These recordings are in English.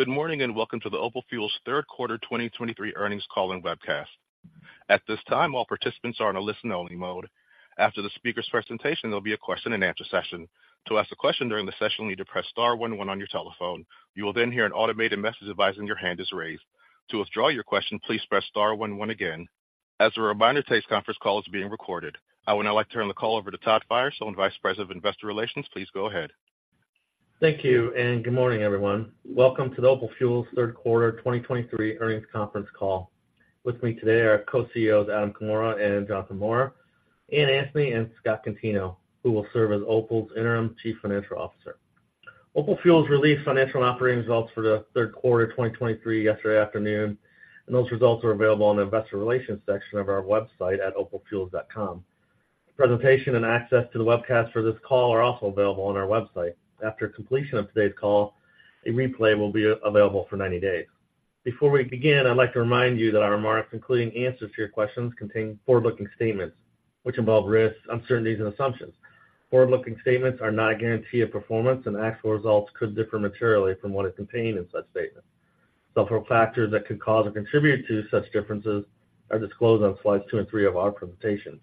Good morning, and welcome to the OPal Fuels Q3 2023 earnings call and webcast. At this time, all participants are in a listen-only mode. After the speaker's presentation, there'll be a question-and-answer session. To ask a question during the session, you need to press star one one on your telephone. You will then hear an automated message advising your hand is raised. To withdraw your question, please press star one one again. As a reminder, today's conference call is being recorded. I would now like to turn the call over to Todd Firestone, Vice President of Investor Relations. Please go ahead. Thank you, and good morning, everyone. Welcome to the OPal Fuels Q3 2023 earnings conference call. With me today are co-CEOs Adam Comora and Jonathan Maurer, Ann Anthony, and Scott Contino, who will serve as OPAL's Interim Chief Financial Officer. OPal Fuels released financial and operating results for the Q3 of 2023 yesterday afternoon, and those results are available on the investor relations section of our website at opalfuels.com. The presentation and access to the webcast for this call are also available on our website. After completion of today's call, a replay will be available for 90 days. Before we begin, I'd like to remind you that our remarks, including answers to your questions, contain forward-looking statements which involve risks, uncertainties, and assumptions. Forward-looking statements are not a guarantee of performance, and actual results could differ materially from what is contained in such statements. Several factors that could cause or contribute to such differences are disclosed on slides two and three of our presentation.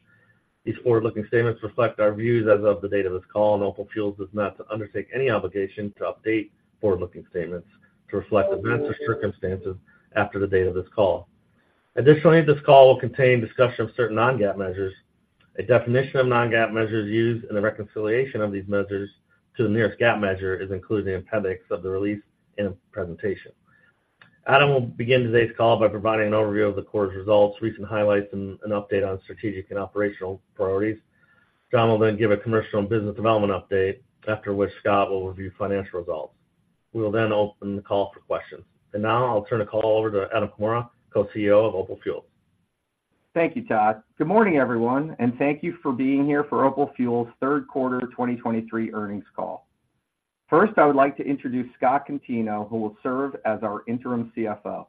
These forward-looking statements reflect our views as of the date of this call, and OPal Fuels does not undertake any obligation to update forward-looking statements to reflect events or circumstances after the date of this call. Additionally, this call will contain discussion of certain non-GAAP measures. A definition of non-GAAP measures used and the reconciliation of these measures to the nearest GAAP measure is included in the appendix of the release in a presentation. Adam will begin today's call by providing an overview of the quarter's results, recent highlights, and an update on strategic and operational priorities. John will then give a commercial and business development update, after which Scott will review financial results. We will then open the call for questions. Now I'll turn the call over to Adam Comora, Co-CEO of OPal Fuels. Thank you, Todd. Good morning, everyone, and thank you for being here for OPal Fuels Q3 2023 earnings call. First, I would like to introduce Scott Contino, who will serve as our Interim CFO.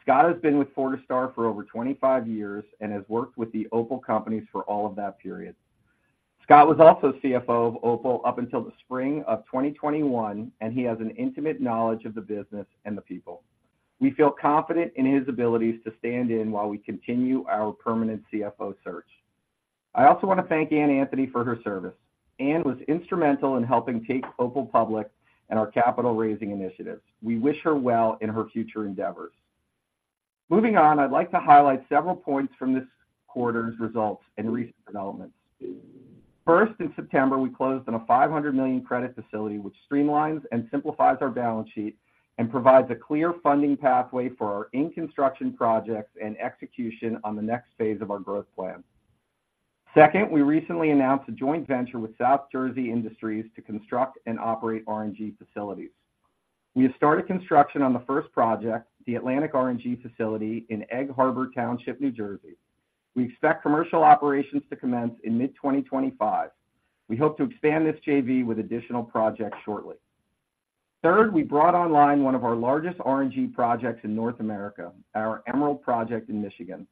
Scott has been with Fortistar for over 25 years and has worked with the OPAL companies for all of that period. Scott was also CFO of OPAL up until the spring of 2021, and he has an intimate knowledge of the business and the people. We feel confident in his abilities to stand in while we continue our permanent CFO search. I also want to thank Ann Anthony for her service. Ann was instrumental in helping take OPAL public and our capital-raising initiatives. We wish her well in her future endeavors. Moving on, I'd like to highlight several points from this quarter's results and recent developments. First, in September, we closed on a $500 million credit facility, which streamlines and simplifies our balance sheet and provides a clear funding pathway for our in-construction projects and execution on the next phase of our growth plan. Second, we recently announced a joint venture with South Jersey Industries to construct and operate RNG facilities. We have started construction on the first project, the Atlantic RNG facility in Egg Harbor Township, New Jersey. We expect commercial operations to commence in mid-2025. We hope to expand this JV with additional projects shortly. Third, we brought online one of our largest RNG projects in North America, our Emerald project in Michigan.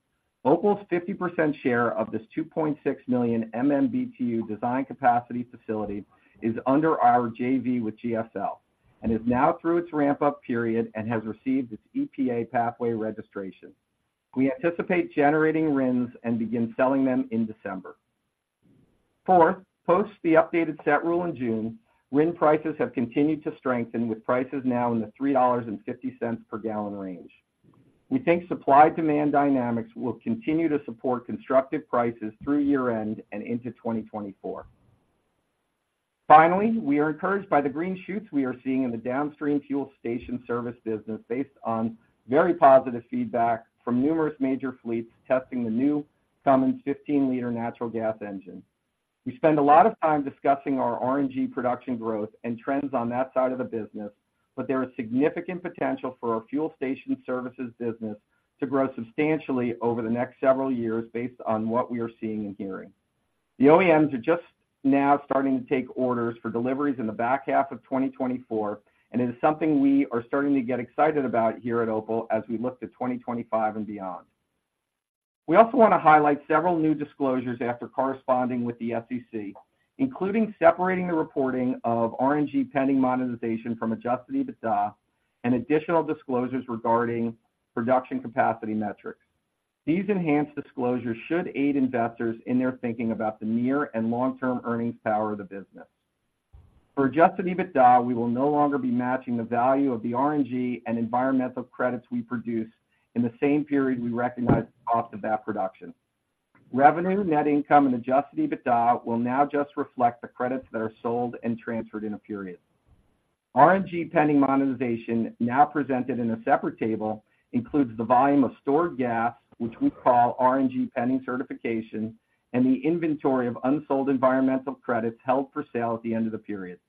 OPAL's 50% share of this 2.6 million MMBtu design capacity facility is under our JV with GFL and is now through its ramp-up period and has received its EPA pathway registration. We anticipate generating RINs and begin selling them in December. Fourth, post the updated set rule in June, RIN prices have continued to strengthen, with prices now in the $3.50 per gallon range. We think supply-demand dynamics will continue to support constructive prices through year-end and into 2024. Finally, we are encouraged by the green shoots we are seeing in the downstream fuel station service business based on very positive feedback from numerous major fleets testing the new Cummins 15-liter natural gas engine. We spend a lot of time discussing our RNG production growth and trends on that side of the business, but there is significant potential for our fuel station services business to grow substantially over the next several years based on what we are seeing and hearing. The OEMs are just now starting to take orders for deliveries in the back half of 2024, and it is something we are starting to get excited about here at OPAL as we look to 2025 and beyond. We also want to highlight several new disclosures after corresponding with the SEC, including separating the reporting of RNG pending monetization from Adjusted EBITDA and additional disclosures regarding production capacity metrics. These enhanced disclosures should aid investors in their thinking about the near and long-term earnings power of the business. For Adjusted EBITDA, we will no longer be matching the value of the RNG and environmental credits we produce in the same period we recognize the cost of that production. Revenue, net income, and Adjusted EBITDA will now just reflect the credits that are sold and transferred in a period. RNG pending monetization, now presented in a separate table, includes the volume of stored gas, which we call RNG pending certification, and the inventory of unsold environmental credits held for sale at the end of the period.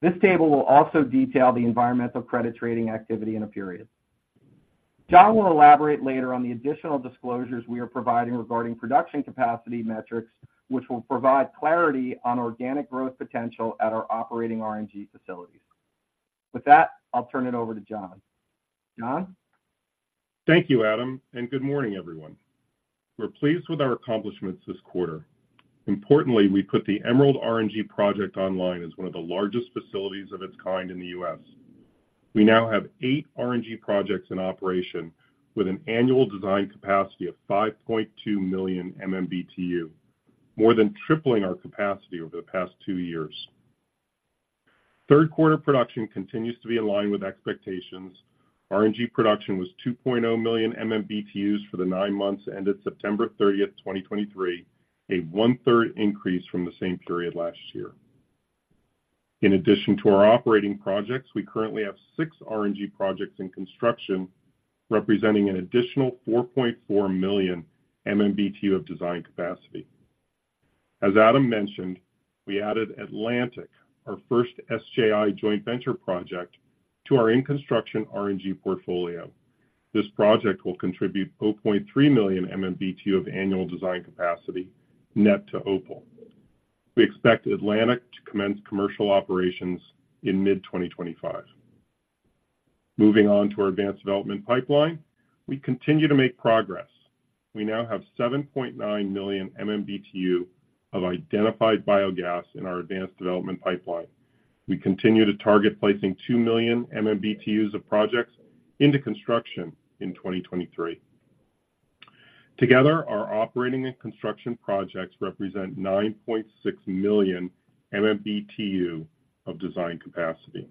This table will also detail the environmental credit trading activity in a period. John will elaborate later on the additional disclosures we are providing regarding production capacity metrics, which will provide clarity on organic growth potential at our operating RNG facilities. With that, I'll turn it over to John. John?... Thank you, Adam, and good morning, everyone. We're pleased with our accomplishments this quarter. Importantly, we put the Emerald RNG project online as one of the largest facilities of its kind in the U.S. We now have eight RNG projects in operation, with an annual design capacity of 5.2 million MMBtu, more than tripling our capacity over the past two years. Q3 production continues to be in line with expectations. RNG production was 2.0 million MMBtu for the nine months ended September 30, 2023, a one-third increase from the same period last year. In addition to our operating projects, we currently have six RNG projects in construction, representing an additional 4.4 million MMBtu of design capacity. As Adam mentioned, we added Atlantic, our first SJI joint venture project, to our in-construction RNG portfolio. This project will contribute 0.3 million MMBtu of annual design capacity net to OPAL. We expect Atlantic to commence commercial operations in mid-2025. Moving on to our advanced development pipeline, we continue to make progress. We now have 7.9 million MMBtu of identified biogas in our advanced development pipeline. We continue to target placing 2 million MMBtu of projects into construction in 2023. Together, our operating and construction projects represent 9.6 million MMBtu of design capacity.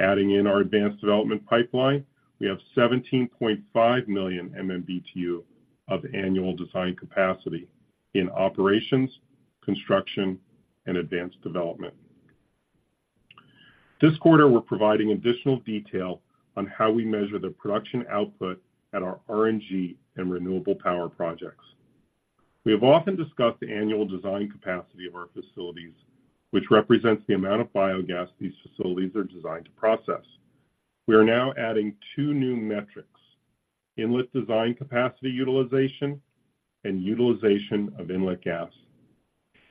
Adding in our advanced development pipeline, we have 17.5 million MMBtu of annual design capacity in operations, construction, and advanced development. This quarter, we're providing additional detail on how we measure the production output at our RNG and renewable power projects. We have often discussed the annual design capacity of our facilities, which represents the amount of biogas these facilities are designed to process. We are now adding two new metrics: Inlet Design Capacity Utilization and Utilization of Inlet Gas.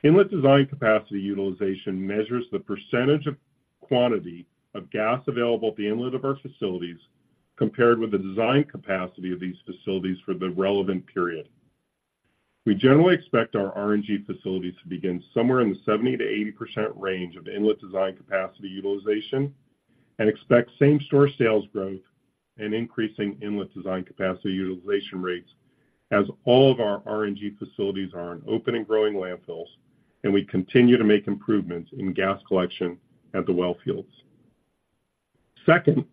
Inlet Design Capacity Utilization measures the percentage of quantity of gas available at the inlet of our facilities, compared with the design capacity of these facilities for the relevant period. We generally expect our RNG facilities to begin somewhere in the 70%-80% range of Inlet Design Capacity Utilization, and expect same-store sales growth and increasing Inlet Design Capacity Utilization rates, as all of our RNG facilities are on open and growing landfills, and we continue to make improvements in gas collection at the well fields. Second,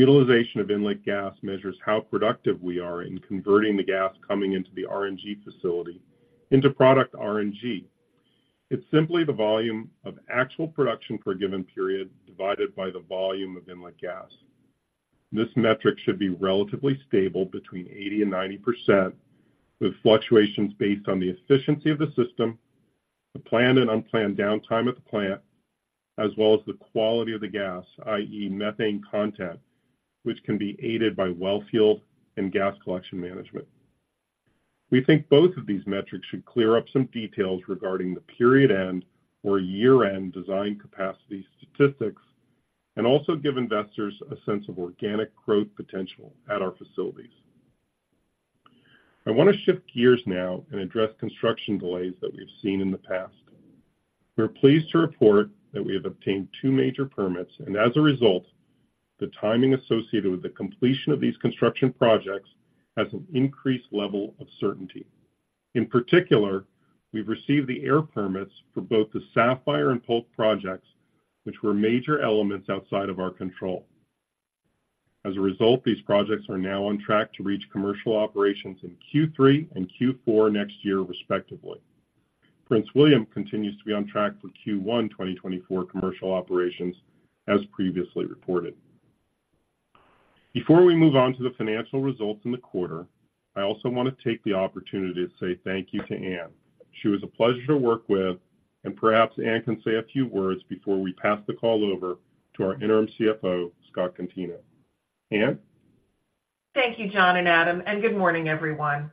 Utilization of Inlet Gas measures how productive we are in converting the gas coming into the RNG facility into product RNG. It's simply the volume of actual production per given period divided by the volume of inlet gas. This metric should be relatively stable between 80%-90%, with fluctuations based on the efficiency of the system, the planned and unplanned downtime of the plant, as well as the quality of the gas, i.e., methane content, which can be aided by well field and gas collection management. We think both of these metrics should clear up some details regarding the period-end or year-end design capacity statistics and also give investors a sense of organic growth potential at our facilities. I want to shift gears now and address construction delays that we've seen in the past. We're pleased to report that we have obtained two major permits, and as a result, the timing associated with the completion of these construction projects has an increased level of certainty. In particular, we've received the air permits for both the Sapphire and Polk projects, which were major elements outside of our control. As a result, these projects are now on track to reach commercial operations in Q3 and Q4 next year, respectively. Prince William continues to be on track for Q1 2024 commercial operations, as previously reported. Before we move on to the financial results in the quarter, I also want to take the opportunity to say thank you to Ann. She was a pleasure to work with, and perhaps Ann can say a few words before we pass the call over to our Interim CFO, Scott Contino. Ann? Thank you, Jonathan and Adam, and good morning, everyone.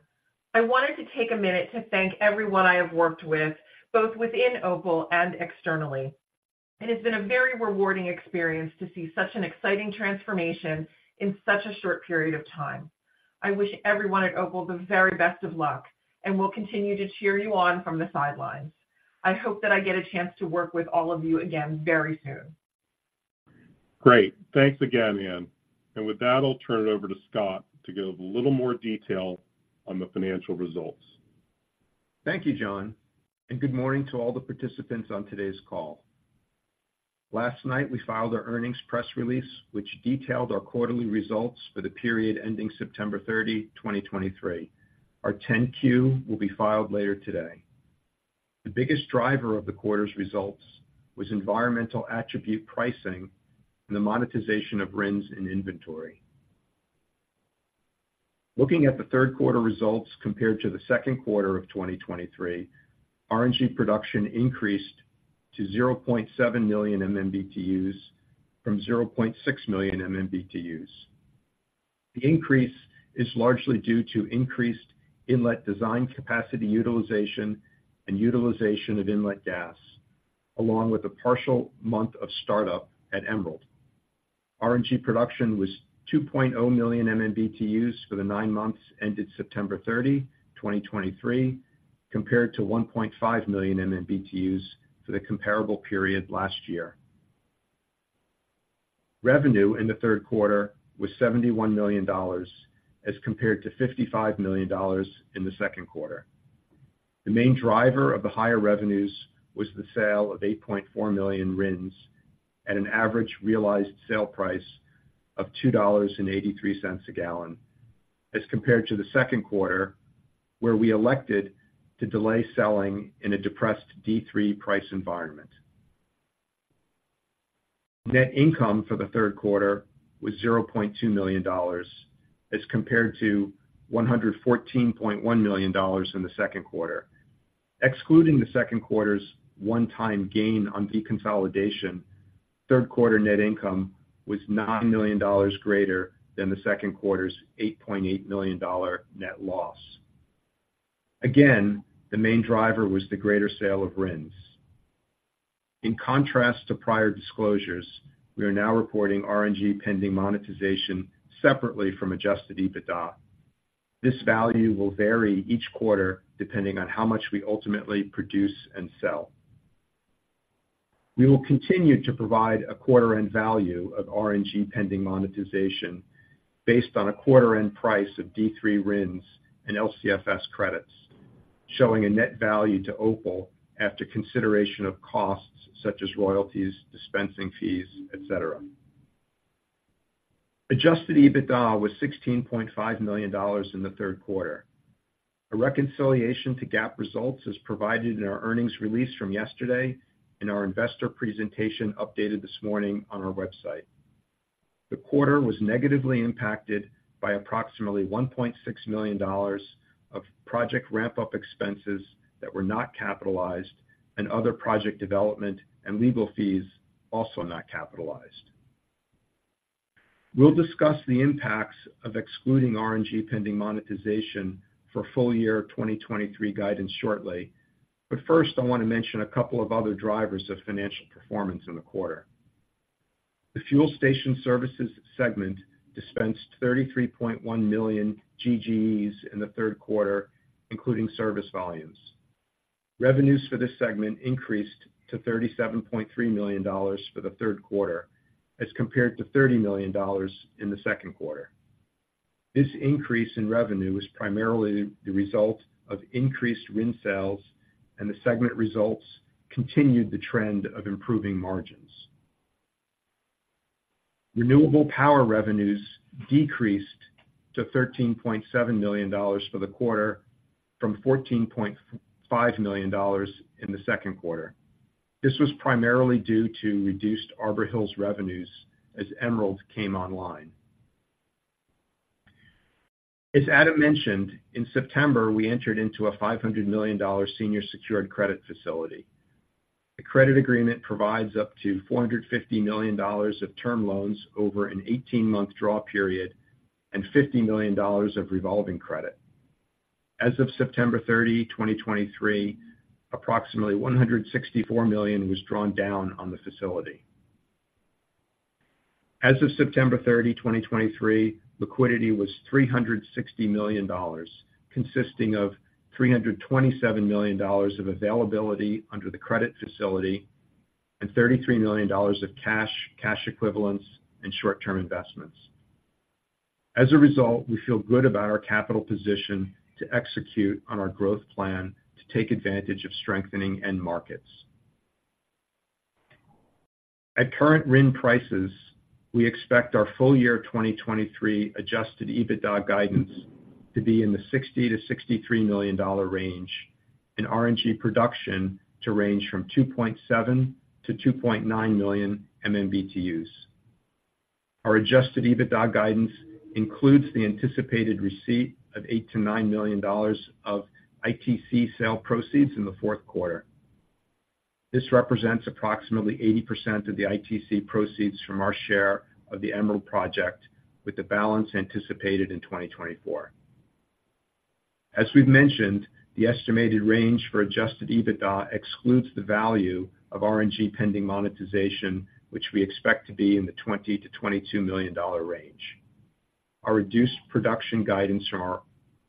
I wanted to take a minute to thank everyone I have worked with, both within OPAL and externally. It has been a very rewarding experience to see such an exciting transformation in such a short period of time. I wish everyone at OPAL the very best of luck, and we'll continue to cheer you on from the sidelines. I hope that I get a chance to work with all of you again very soon. Great. Thanks again, Ann. With that, I'll turn it over to Scott to give a little more detail on the financial results. Thank you, John, and good morning to all the participants on today's call. Last night, we filed our earnings press release, which detailed our quarterly results for the period ending September 30, 2023. Our 10-Q will be filed later today. The biggest driver of the quarter's results was environmental attribute pricing and the monetization of RINs in inventory. Looking at the Q3 results compared to the Q2 of 2023, RNG production increased to 0.7 million MMBtu from 0.6 million MMBtus. The increase is largely due to increased inlet design capacity utilization and utilization of inlet gas along with a partial month of startup at Emerald. RNG production was 2.0 million MMBtus for the nine months ended September 30, 2023, compared to 1.5 million MMBtus for the comparable period last year. Revenue in the Q3 was $71 million, as compared to $55 million in the Q2. The main driver of the higher revenues was the sale of 8.4 million RINs at an average realized sale price of $2.83 a gallon, as compared to the Q2, where we elected to delay selling in a depressed D3 price environment. Net income for the Q3 was $0.2 million, as compared to $114.1 million in the Q2. Excluding the second quarter's one-time gain on deconsolidation, Q3 net income was $9 million greater than the Q2 $8.8 million net loss. Again, the main driver was the greater sale of RINs. In contrast to prior disclosures, we are now reporting RNG Pending Monetization separately from Adjusted EBITDA. This value will vary each quarter depending on how much we ultimately produce and sell. We will continue to provide a quarter-end value of RNG pending monetization based on a quarter-end price of D3 RINs and LCFS credits, showing a net value to OPAL after consideration of costs such as royalties, dispensing fees, et cetera. Adjusted EBITDA was $16.5 million in the third quarter. A reconciliation to GAAP results is provided in our earnings release from yesterday and our investor presentation updated this morning on our website. The quarter was negatively impacted by approximately $1.6 million of project ramp-up expenses that were not capitalized, and other project development and legal fees, also not capitalized. We'll discuss the impacts of excluding RNG pending monetization for full year 2023 guidance shortly. First, I want to mention a couple of other drivers of financial performance in the quarter. The fuel station services segment dispensed 33.1 million GGEs in the Q3, including service volumes. Revenues for this segment increased to $37.3 million for the Q3, as compared to $30 million in the Q2. This increase in revenue was primarily the result of increased RIN sales, and the segment results continued the trend of improving margins. Renewable power revenues decreased to $13.7 million for the quarter from $14.5 million in the Q2. This was primarily due to reduced Arbor Hills revenues as Emerald came online. As Adam mentioned, in September, we entered into a $500 million senior secured credit facility. The credit agreement provides up to $450 million of term loans over an 18-month draw period and $50 million of revolving credit. As of September 30, 2023, approximately $164 million was drawn down on the facility. As of September 30, 2023, liquidity was $360 million, consisting of $327 million of availability under the credit facility and $33 million of cash, cash equivalents, and short-term investments. As a result, we feel good about our capital position to execute on our growth plan to take advantage of strengthening end markets. At current RIN prices, we expect our full year 2023 Adjusted EBITDA guidance to be in the $60-$63 million range, and RNG production to range from 2.7-2.9 million MMBtus. Our Adjusted EBITDA guidance includes the anticipated receipt of $8-$9 million of ITC sale proceeds in the Q4. This represents approximately 80% of the ITC proceeds from our share of the Emerald project, with the balance anticipated in 2024. As we've mentioned, the estimated range for Adjusted EBITDA excludes the value of RNG Pending Monetization, which we expect to be in the $20-$22 million range. Our reduced production guidance from our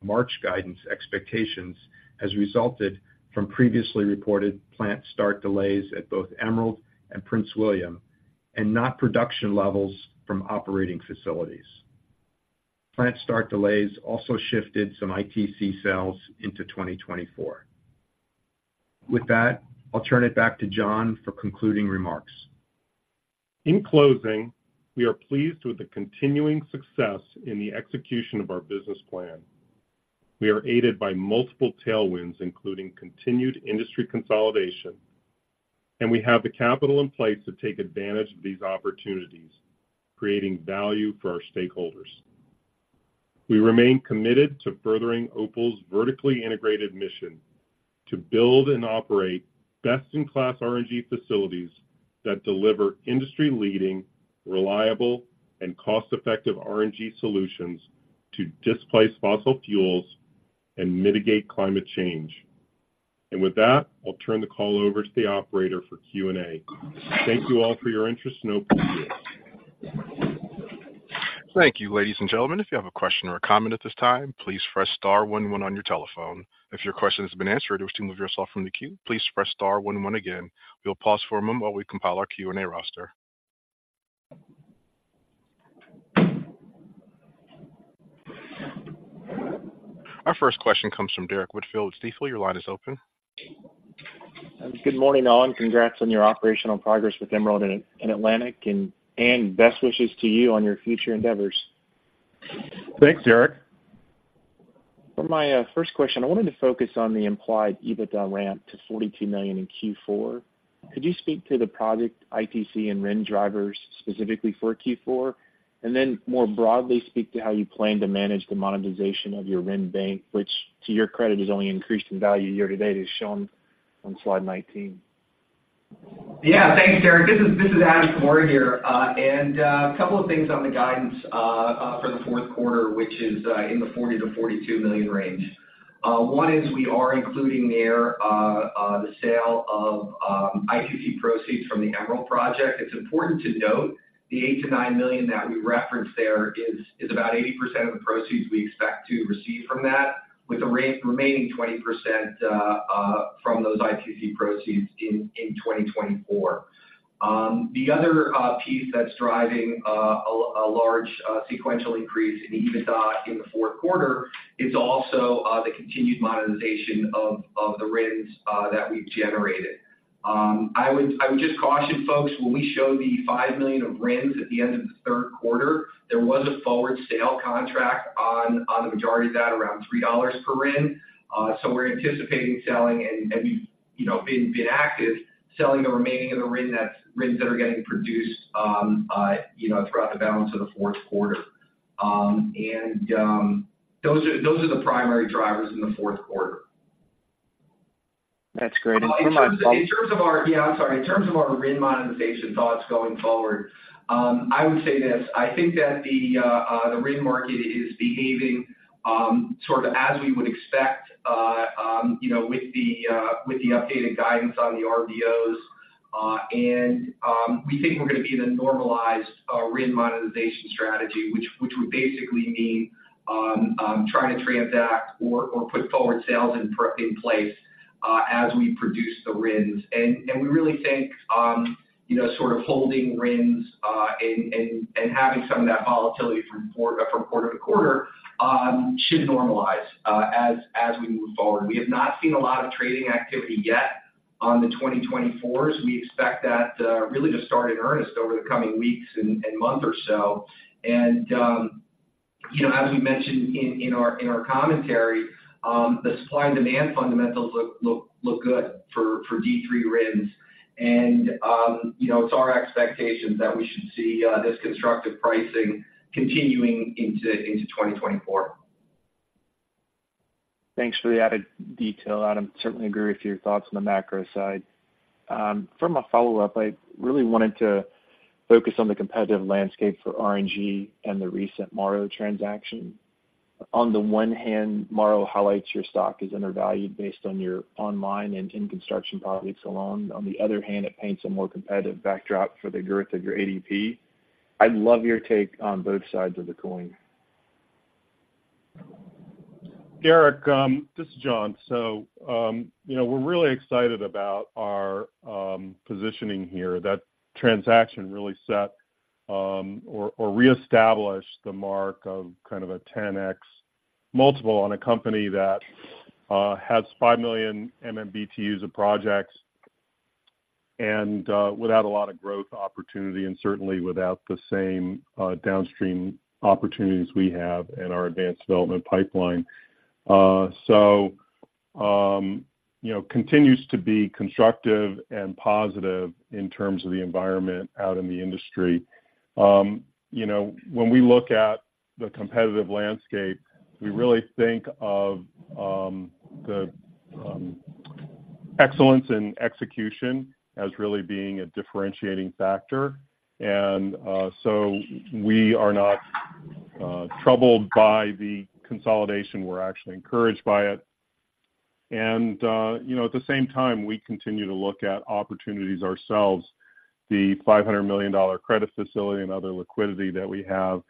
March guidance expectations has resulted from previously reported plant start delays at both Emerald and Prince William, and not production levels from operating facilities. Plant start delays also shifted some ITC sales into 2024. With that, I'll turn it back to John for concluding remarks. In closing, we are pleased with the continuing success in the execution of our business plan. We are aided by multiple tailwinds, including continued industry consolidation, and we have the capital in place to take advantage of these opportunities, creating value for our stakeholders. We remain committed to furthering OPAL's vertically integrated mission to build and operate best-in-class RNG facilities that deliver industry-leading, reliable, and cost-effective RNG solutions to displace fossil fuels and mitigate climate change. With that, I'll turn the call over to the operator for Q&A. Thank you all for your interest in Opal Fuels. Thank you, ladies and gentlemen. If you have a question or a comment at this time, please press star one one on your telephone. If your question has been answered or to remove yourself from the queue, please press star one one again. We'll pause for a moment while we compile our Q&A roster. Our first question comes from Derrick Whitfield with Stifel. Your line is open. Good morning, all, and congrats on your operational progress with Emerald and Atlantic, and best wishes to you on your future endeavors. Thanks, Derrick. For my first question, I wanted to focus on the implied EBITDA ramp to $42 million in Q4. Could you speak to the project ITC and RIN drivers specifically for Q4? And then more broadly, speak to how you plan to manage the monetization of your RIN bank, which, to your credit, is only increased in value year to date, is shown on slide 19. Yeah. Thanks, Derrick. This is Adam Comora here. And a couple of things on the guidance for the Q4, which is in the $40 million-$42 million range. One is we are including there the sale of ITC proceeds from the Emerald project. It's important to note, the $8 million-$9 million that we referenced there is about 80% of the proceeds we expect to receive from that, with the remaining 20% from those ITC proceeds in 2024. The other piece that's driving a large sequential increase in EBITDA in the Q4 is also the continued monetization of the RINs that we've generated. I would, I would just caution folks, when we show the 5 million of RINs at the end of the Q3, there was a forward sale contract on, on the majority of that, around $3.00 per RIN. So we're anticipating selling and, and, you know, being, being active, selling the remaining of the RINs that are getting produced, you know, throughout the balance of the Q3. And those are, those are the primary drivers in the Q4. That's great. And for my- In terms of our RIN monetization thoughts going forward, I would say this. I think that the RIN market is behaving sort of as we would expect, you know, with the updated guidance on the RVOs. And we think we're going to be in a normalized RIN monetization strategy, which would basically mean trying to transact or put forward sales in per-- in place as we produce the RINs. And we really think, you know, sort of holding RINs and having some of that volatility from quarter to quarter should normalize as we move forward. We have not seen a lot of trading activity yet on the 2024s. We expect that really to start in earnest over the coming weeks and month or so. And you know, as we mentioned in our commentary, the supply and demand fundamentals look good for D3 RINs. And you know, it's our expectations that we should see this constructive pricing continuing into 2024. Thanks for the added detail, Adam. Certainly agree with your thoughts on the macro side. From a follow-up, I really wanted to focus on the competitive landscape for RNG and the recent Morrow transaction. On the one hand, Morrow highlights your stock is undervalued based on your online and in construction products alone. On the other hand, it paints a more competitive backdrop for the growth of your ADP. I'd love your take on both sides of the coin. Derek, this is John. So, you know, we're really excited about our positioning here. That transaction really set, or reestablished the mark of kind of a 10x multiple on a company that has 5 million MMBtus of projects, and without a lot of growth opportunity, and certainly without the same downstream opportunities we have in our advanced development pipeline. So, you know, continues to be constructive and positive in terms of the environment out in the industry. You know, when we look at the competitive landscape, we really think of the excellence in execution as really being a differentiating factor. And, you know, at the same time, we continue to look at opportunities ourselves. The $500 million credit facility and other liquidity that we have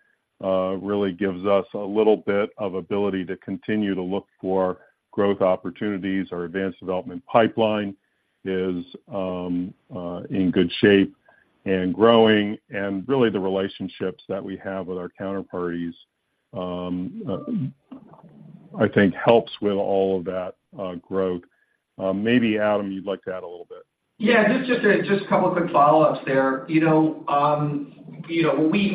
really gives us a little bit of ability to continue to look for growth opportunities. Our advanced development pipeline is in good shape and growing, and really, the relationships that we have with our counterparties, I think helps with all of that, growth. Maybe Adam, you'd like to add a little bit. Yeah, just a couple of quick follow-ups there. You know, you know, when we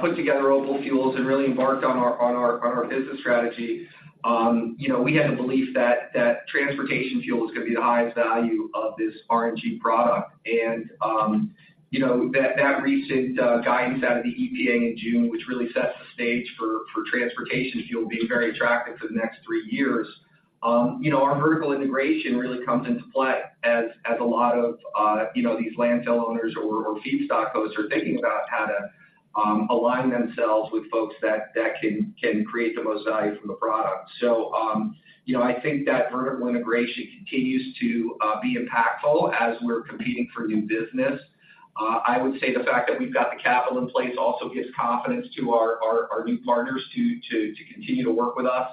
put together OPAL Fuels and really embarked on our business strategy, you know, we had a belief that transportation fuel was going to be the highest value of this RNG product. And, you know, that recent guidance out of the EPA in June, which really sets the stage for transportation fuel being very attractive for the next three years. You know, our vertical integration really comes into play as a lot of you know, these landfill owners or feedstock owners are thinking about how to align themselves with folks that can create the most value from the product. So, you know, I think that vertical integration continues to be impactful as we're competing for new business. I would say the fact that we've got the capital in place also gives confidence to our new partners to continue to work with us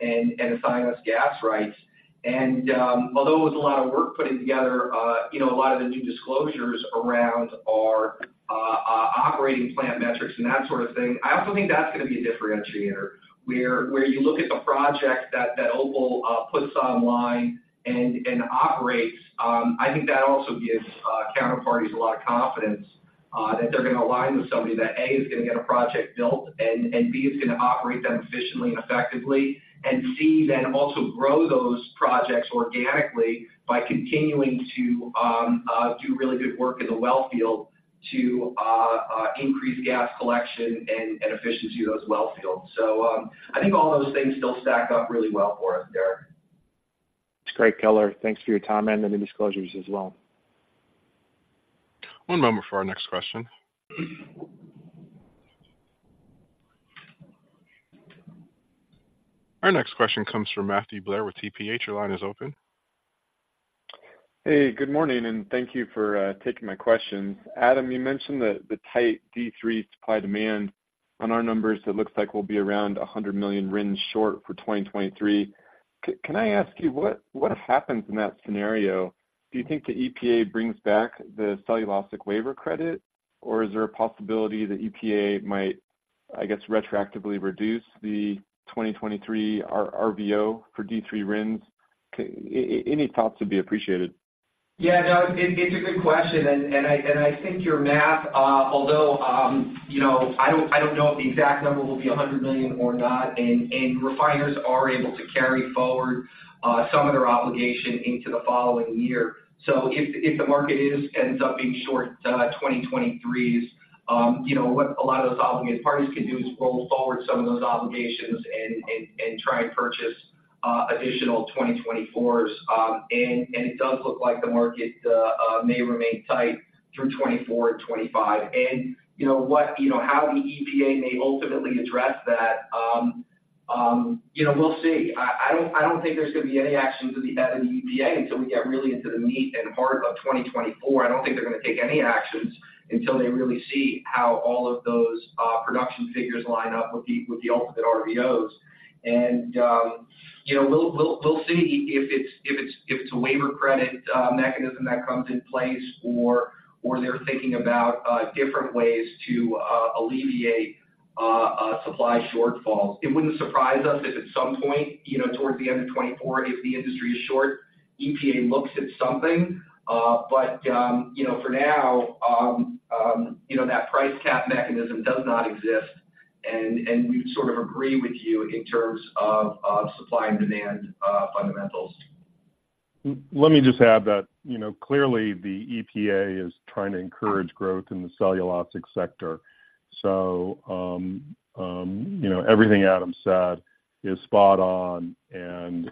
and assign us gas rights. And, although it was a lot of work putting together, you know, a lot of the new disclosures around our operating plant metrics and that sort of thing, I also think that's gonna be a differentiator. Where you look at the project that OPAL puts online and operates, I think that also gives counterparties a lot of confidence that they're gonna align with somebody that, A, is gonna get a project built, and B, is gonna operate them efficiently and effectively. And C, then also grow those projects organically by continuing to do really good work in the well field to increase gas collection and efficiency of those well fields. So, I think all those things still stack up really well for us, Derek. That's great, color. Thanks for your time and the new disclosures as well. One moment for our next question. Our next question comes from Matthew Blair with TPH. Your line is open. Hey, good morning, and thank you for taking my questions. Adam, you mentioned that the tight D3 supply-demand on our numbers, it looks like we'll be around 100 million RINs short for 2023. Can I ask you, what happens in that scenario? Do you think the EPA brings back the cellulosic waiver credit, or is there a possibility the EPA might, I guess, retroactively reduce the 2023 RVO for D3 RINs? Any thoughts would be appreciated. Yeah, no, it's a good question, and I think your math, although, you know, I don't know if the exact number will be 100 million or not, and refiners are able to carry forward some of their obligation into the following year. So if the market ends up being short 2023s, you know, what a lot of those obligation parties can do is roll forward some of those obligations and try and purchase additional 2024s. And it does look like the market may remain tight through 2024 and 2025. And, you know, how the EPA may ultimately address that, you know, we'll see. I don't think there's gonna be any action to be had in the EPA until we get really into the meat and heart of 2024. I don't think they're gonna take any actions until they really see how all of those production figures line up with the ultimate RVOs. And you know, we'll see if it's a waiver credit mechanism that comes in place or they're thinking about different ways to alleviate a supply shortfall. It wouldn't surprise us if at some point, you know, towards the end of 2024, if the industry is short, EPA looks at something. But, you know, for now, you know, that price cap mechanism does not exist, and we sort of agree with you in terms of supply and demand fundamentals. Let me just add that, you know, clearly the EPA is trying to encourage growth in the cellulosic sector. So, you know, everything Adam said is spot on, and,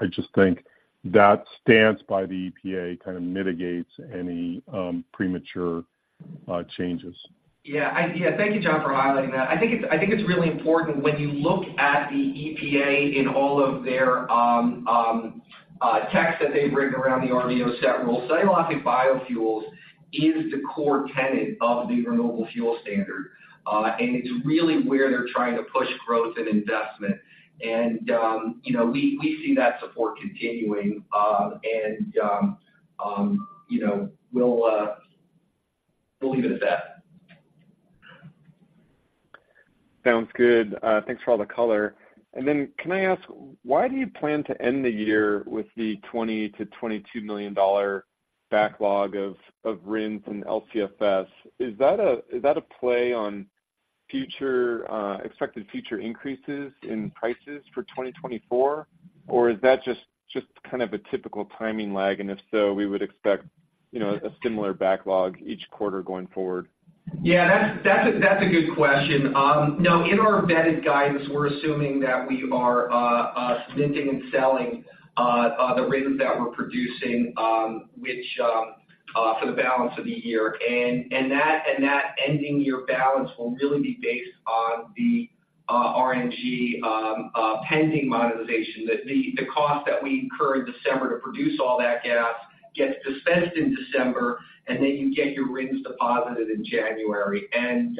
I just think that stance by the EPA kind of mitigates any, premature, changes. Yeah. Yeah, thank you, John, for highlighting that. I think it's, I think it's really important when you look at the EPA in all of their texts that they've written around the RVO set rule. Cellulosic biofuels is the core tenet of the Renewable Fuel Standard, and it's really where they're trying to push growth and investment. And, you know, we, we see that support continuing, and, you know, we'll, we'll leave it at that. Sounds good. Thanks for all the color. And then can I ask, why do you plan to end the year with the $20 million-$22 million backlog of RINs and LCFS? Is that a play on future expected future increases in prices for 2024, or is that just kind of a typical timing lag? And if so, we would expect, you know, a similar backlog each quarter going forward. Yeah, that's a good question. Now, in our updated guidance, we're assuming that we are selling the RINs that we're producing, which for the balance of the year. And that ending year balance will really be based on the RNG pending monetization. The cost that we incur in December to produce all that gas gets expensed in December, and then you get your RINs deposited in January. And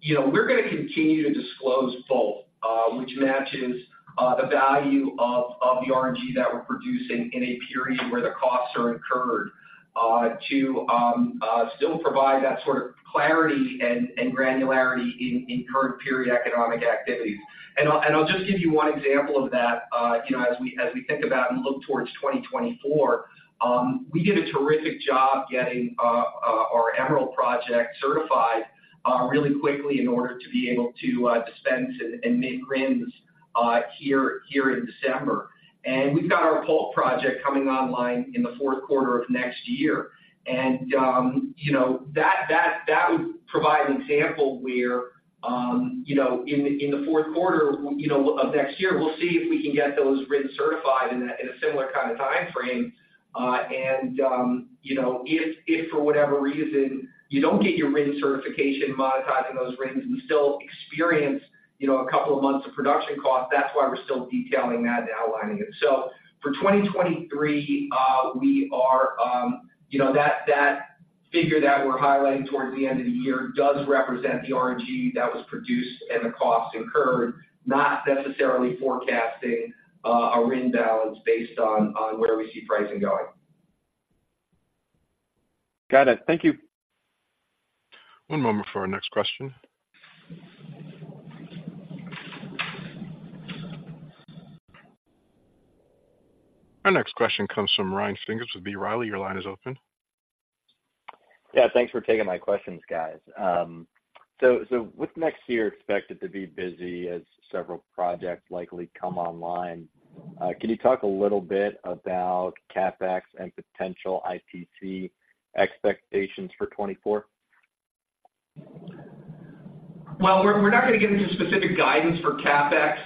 you know, we're gonna continue to disclose both, which matches the value of the RNG that we're producing in a period where the costs are incurred, to still provide that sort of clarity and granularity in current period economic activities. And I'll just give you one example of that. You know, as we think about and look towards 2024, we did a terrific job getting our Emerald project certified really quickly in order to be able to dispense and make RINs here in December. And we've got our Polk project coming online in the Q4 of next year. And you know, that would provide an example where you know, in the Q4 of next year, we'll see if we can get those RINs certified in a similar kind of time frame. And you know, if for whatever reason you don't get your RIN certification, monetizing those RINs, we still experience you know, a couple of months of production costs. That's why we're still detailing that and outlining it. So for 2023, we are, you know, that, that figure that we're highlighting towards the end of the year does represent the RNG that was produced and the costs incurred, not necessarily forecasting a RIN balance based on where we see pricing going. Got it. Thank you. One moment for our next question. Our next question comes from Ryan Pfingst with B. Riley. Your line is open. Yeah, thanks for taking my questions, guys. So with next year expected to be busy as several projects likely come online, can you talk a little bit about CapEx and potential ITC expectations for 2024? Well, we're not going to get into specific guidance for CapEx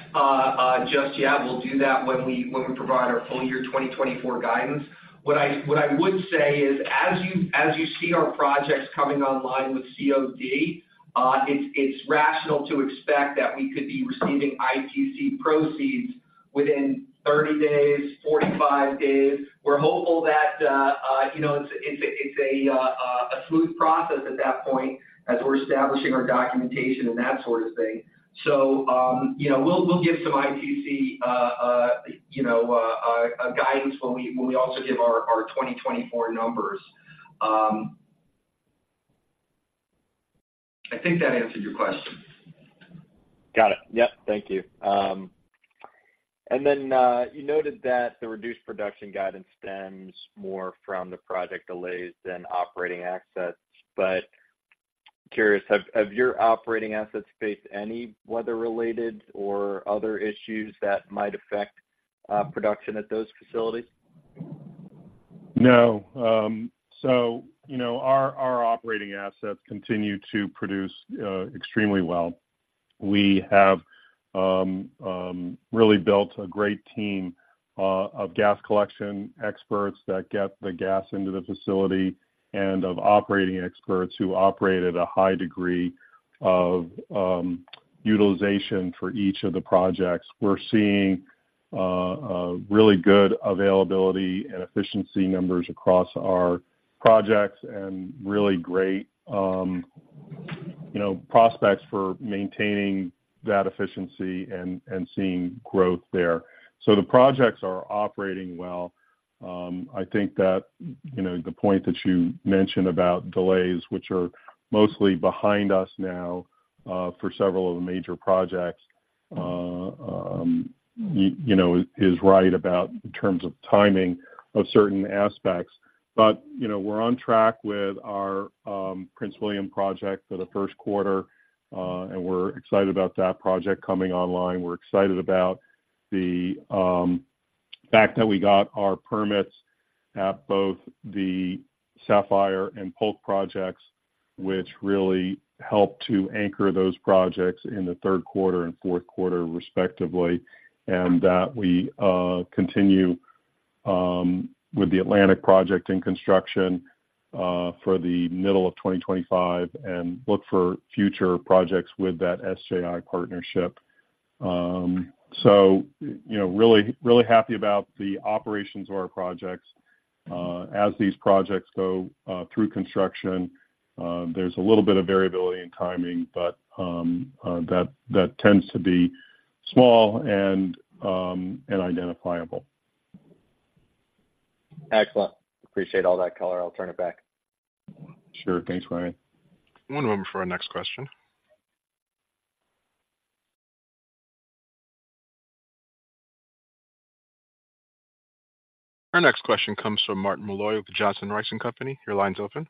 just yet. We'll do that when we provide our full year 2024 guidance. What I would say is, as you see our projects coming online with COD, it's rational to expect that we could be receiving ITC proceeds within 30 days, 45 days. We're hopeful that, you know, it's a smooth process at that point as we're establishing our documentation and that sort of thing. So, you know, we'll give some ITC, you know, a guidance when we also give our 2024 numbers. I think that answered your question. Got it. Yep. Thank you. And then you noted that the reduced production guidance stems more from the project delays than operating assets. But curious, have your operating assets faced any weather-related or other issues that might affect production at those facilities? No. So, you know, our operating assets continue to produce extremely well. We have really built a great team of gas collection experts that get the gas into the facility and of operating experts who operate at a high degree of utilization for each of the projects. We're seeing a really good availability and efficiency numbers across our projects and really great, you know, prospects for maintaining that efficiency and seeing growth there. So the projects are operating well. I think that, you know, the point that you mentioned about delays, which are mostly behind us now, for several of the major projects, you know, is right about in terms of timing of certain aspects. But, you know, we're on track with our Prince William project for the Q1, and we're excited about that project coming online. We're excited about the fact that we got our permits at both the Sapphire and Polk projects, which really helped to anchor those projects in the Q3 and Q4, respectively, and that we continue with the Atlantic project in construction for the middle of 2025 and look for future projects with that SJI partnership. So, you know, really, really happy about the operations of our projects. As these projects go through construction, there's a little bit of variability in timing, but that tends to be small and identifiable. Excellent. Appreciate all that color. I'll turn it back. Sure. Thanks, Ryan. One moment for our next question. Our next question comes from Marty Malloy with Johnson Rice and Company. Your line's open.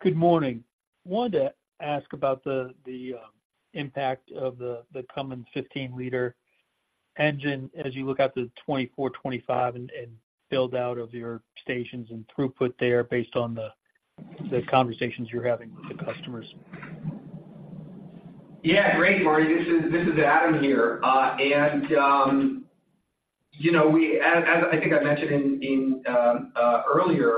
Good morning. Wanted to ask about the impact of the Cummins 15-liter engine as you look out to 2024, 2025 and build out of your stations and throughput there based on the conversations you're having with the customers. Yeah, great, Marty. This is Adam here. And, you know, we, as I think I mentioned in earlier,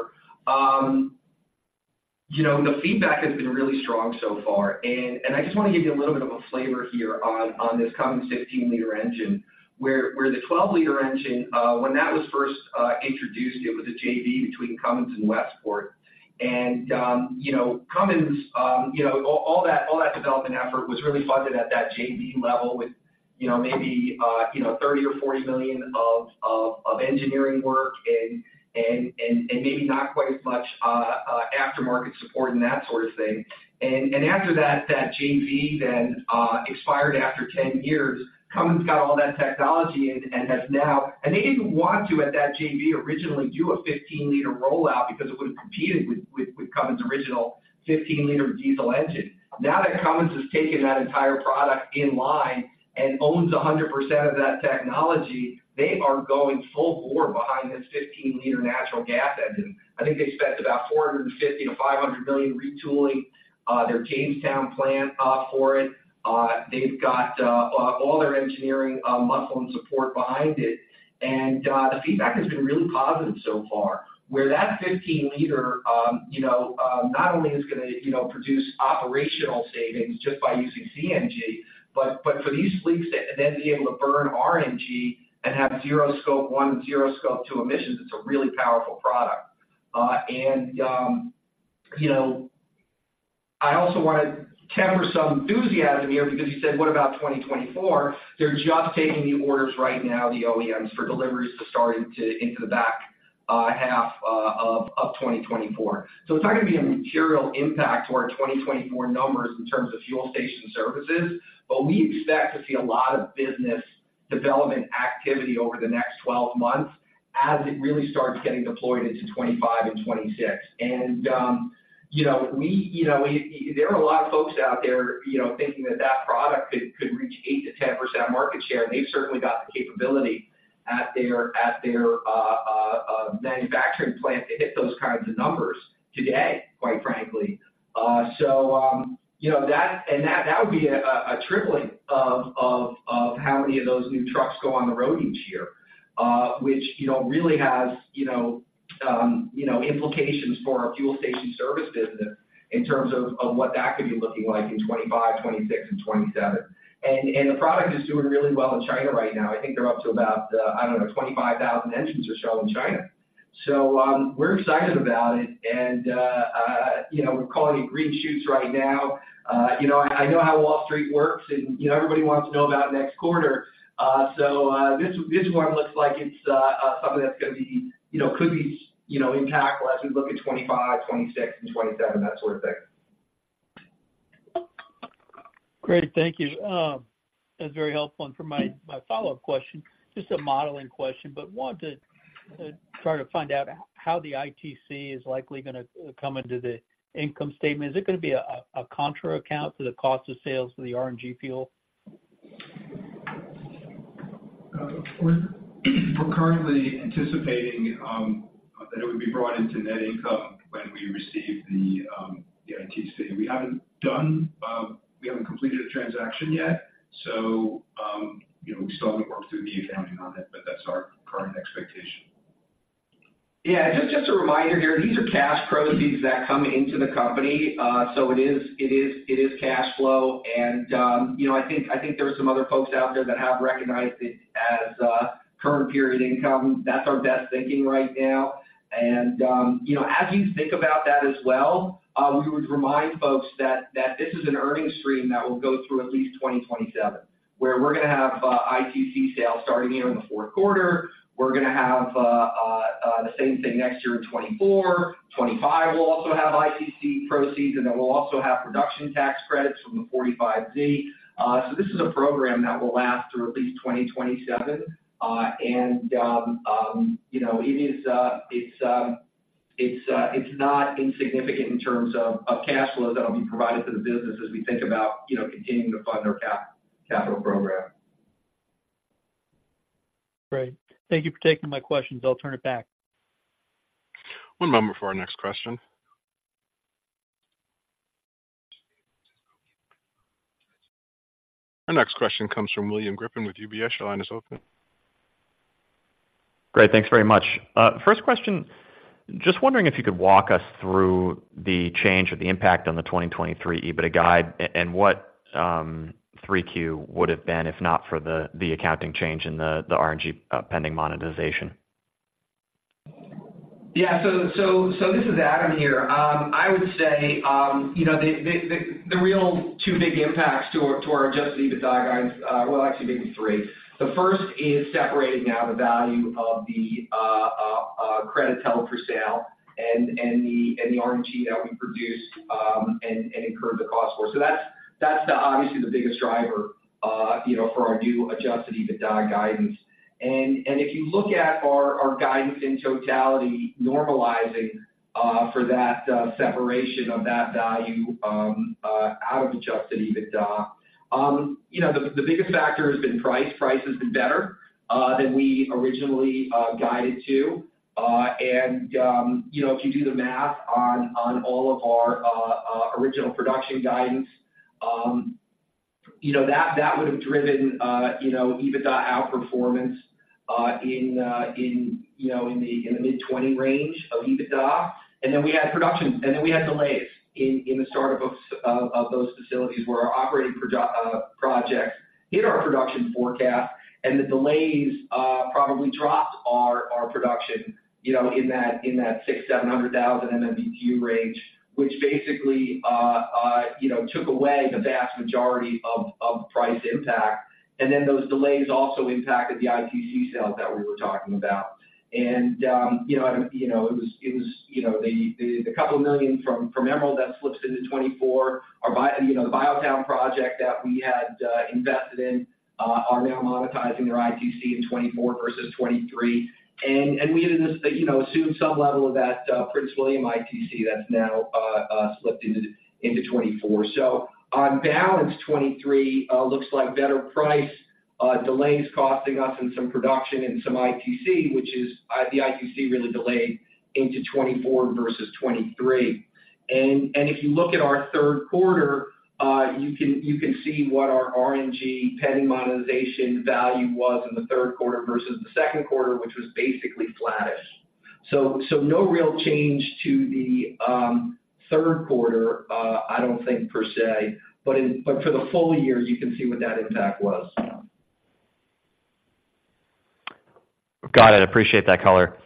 you know, the feedback has been really strong so far. And I just want to give you a little bit of a flavor here on this Cummins 15-liter engine, where the 12-liter engine, when that was first introduced, it was a JV between Cummins and Westport. And, you know, Cummins, you know, all that development effort was really funded at that JV level with, you know, maybe $30 million or $40 million of engineering work and maybe not quite as much aftermarket support and that sort of thing. And after that, that JV then expired after 10 years. Cummins got all that technology and has now. They didn't want to, at that JV originally, do a 15-liter rollout because it would have competed with Cummins' original 15-liter diesel engine. Now that Cummins has taken that entire product in line and owns 100% of that technology, they are going full bore behind this 15-liter natural gas engine. I think they spent about $450 million-$500 million retooling their Jamestown plant for it. They've got all their engineering muscle and support behind it, and the feedback has been really positive so far. Where that 15-liter, you know, not only is gonna, you know, produce operational savings just by using CNG, but, but for these fleets to then be able to burn RNG and have zero scope one, zero scope two emissions, it's a really powerful product. And, you know, I also wanna temper some enthusiasm here because you said, "What about 2024?" They're just taking the orders right now, the OEMs, for deliveries to start into the back half of 2024. So it's not gonna be a material impact to our 2024 numbers in terms of fuel station services, but we expect to see a lot of business development activity over the next 12 months as it really starts getting deployed into 2025 and 2026. You know, there are a lot of folks out there, you know, thinking that that product could reach 8%-10% market share. They've certainly got the capability at their manufacturing plant to hit those kinds of numbers today, quite frankly. So, you know, that would be a tripling of how many of those new trucks go on the road each year, which, you know, really has implications for our fuel station service business in terms of what that could be looking like in 2025, 2026, and 2027. And the product is doing really well in China right now. I think they're up to about 25,000 engines or so in China. So, we're excited about it, and you know, we're calling it green shoots right now. You know, I know how Wall Street works, and you know, everybody wants to know about next quarter. So, this one looks like it's something that's gonna be, you know, could be, you know, impactful as we look at 2025, 2026, and 2027, that sort of thing. Great. Thank you. That's very helpful. For my, my follow-up question, just a modeling question, but wanted to try to find out how the ITC is likely gonna come into the income statement. Is it gonna be a, a contra account for the cost of sales for the RNG fuel? We're currently anticipating that it would be brought into net income when we receive the ITC. We haven't completed a transaction yet, so you know, we still haven't worked through the accounting on it, but that's our current expectation. Yeah, just a reminder here, these are cash proceeds that come into the company. So it is cash flow, and, you know, I think there are some other folks out there that have recognized it as current period income. That's our best thinking right now. And, you know, as you think about that as well, we would remind folks that this is an earnings stream that will go through at least 2027, where we're gonna have ITC sales starting here in the Q4. We're gonna have the same thing next year in 2024. 2025, we'll also have ITC proceeds, and then we'll also have production tax credits from the 45Z. So this is a program that will last through at least 2027. And, you know, it's not insignificant in terms of cash flow that'll be provided to the business as we think about, you know, continuing to fund our capital program. Great. Thank you for taking my questions. I'll turn it back. One moment for our next question. Our next question comes from William Griffin with UBS. Your line is open. Great. Thanks very much. First question, just wondering if you could walk us through the change or the impact on the 2023 EBITDA guide and what Q3 would have been, if not for the accounting change in the RNG Pending Monetization? Yeah. So this is Adam here. I would say, you know, the real two big impacts to our Adjusted EBITDA guidance, well, actually maybe three. The first is separating out the value of the credit held for sale and the RNG that we produced and incurred the cost for. So that's obviously the biggest driver, you know, for our new Adjusted EBITDA guidance. And if you look at our guidance in totality, normalizing for that separation of that value out of the Adjusted EBITDA, you know, the biggest factor has been price. Price has been better than we originally guided to. You know, if you do the math on all of our original production guidance, you know, that would have driven, you know, EBITDA outperformance in, you know, in the mid-20 range of EBITDA. And then we had delays in the startup of those facilities where our operating projects hit our production forecast, and the delays probably dropped our production, you know, in that 600,000-700,000 MMBtu range, which basically, you know, took away the vast majority of price impact. And then those delays also impacted the ITC sales that we were talking about. And, you know, it was, you know, the $2 million from Emerald that slips into 2024. Our Bio Town project that we had invested in are now monetizing their ITC in 2024 versus 2023. And we had this, you know, assumed some level of that Prince William ITC that's now slipped into 2024. So on balance, 2023 looks like better price. Delays costing us in some production and some ITC, which is the ITC really delayed into 2024 versus 2023. And if you look at our Q3, you can see what our RNG pending monetization value was in the Q3 versus the Q2, which was basically flattish. So, no real change to the Q3, I don't think per se, but for the full year, you can see what that impact was. Got it. Appreciate that color.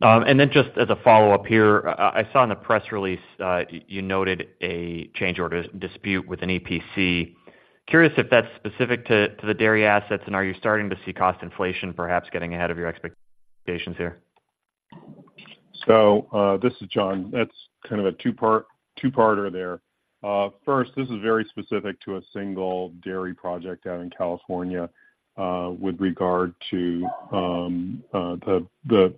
And then just as a follow-up here, I saw in the press release, you noted a change order dispute with an EPC. Curious if that's specific to, to the dairy assets, and are you starting to see cost inflation perhaps getting ahead of your expectations here? So, this is John. That's kind of a two part-- two-parter there. First, this is very specific to a single dairy project out in California, with regard to the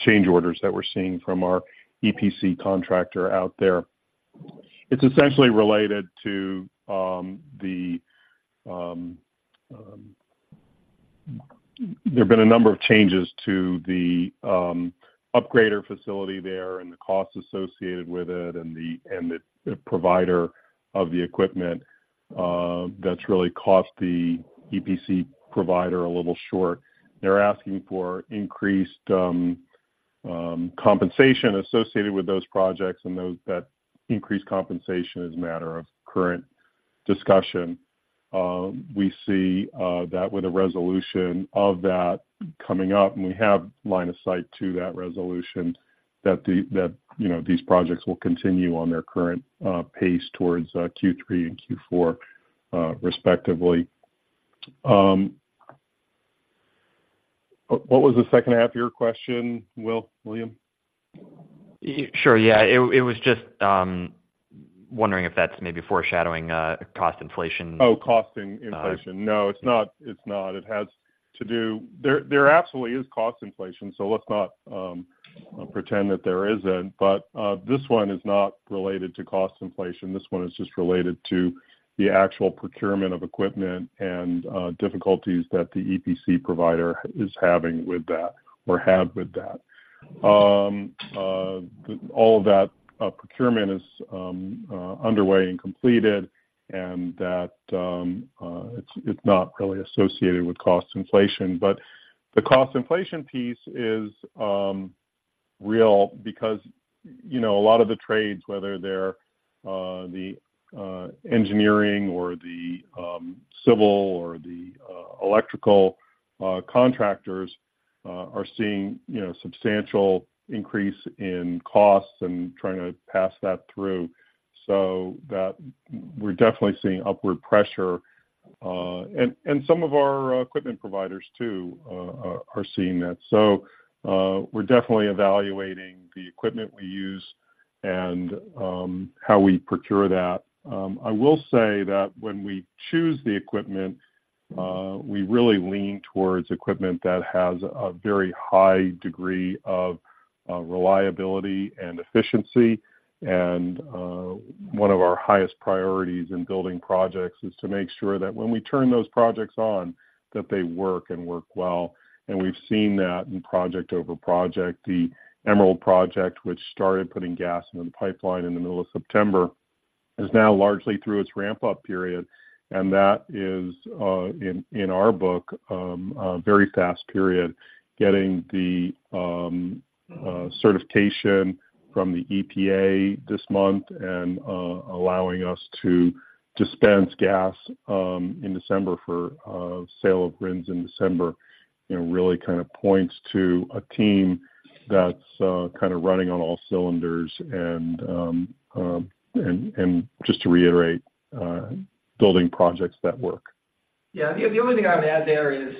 change orders that we're seeing from our EPC contractor out there. It's essentially related to the... There have been a number of changes to the upgrader facility there and the costs associated with it and the provider of the equipment, that's really cost the EPC provider a little short. They're asking for increased compensation associated with those projects, and those-- that increased compensation is a matter of current discussion. We see that with a resolution of that coming up, and we have line of sight to that resolution that the, you know, these projects will continue on their current pace towards Q3 and Q4, respectively. What was the second half of your question, William? Sure. Yeah, it was just wondering if that's maybe foreshadowing cost inflation. Oh, cost inflation. Uh. No, it's not. It's not. It has to do. There absolutely is cost inflation, so let's not pretend that there isn't. But, this one is not related to cost inflation. This one is just related to the actual procurement of equipment and, difficulties that the EPC provider is having with that or had with that. All of that procurement is underway and completed, and that, it's, it's not really associated with cost inflation. But the cost inflation piece is real because, you know, a lot of the trades, whether they're the engineering or the civil or the electrical contractors are seeing, you know, substantial increase in costs and trying to pass that through so that we're definitely seeing upward pressure. And some of our equipment providers, too, are seeing that. So, we're definitely evaluating the equipment we use and how we procure that. I will say that when we choose the equipment, we really lean towards equipment that has a very high degree of reliability and efficiency. And one of our highest priorities in building projects is to make sure that when we turn those projects on, that they work and work well. And we've seen that in project over project. The Emerald project, which started putting gas into the pipeline in the middle of September, is now largely through its ramp-up period, and that is in our book a very fast period. Getting the certification from the EPA this month and allowing us to dispense gas in December for sale of RINs in December, you know, really kind of points to a team that's kind of running on all cylinders, and just to reiterate, building projects that work. Yeah, the only thing I would add there is,